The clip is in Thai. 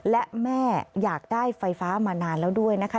และแม่อยากได้ไฟฟ้ามานานแล้วด้วยนะคะ